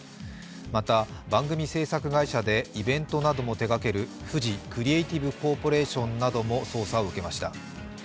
また番組制作会社でイベントなども手がけるフジクリエイティブコーポレーションなども捜査を受けました。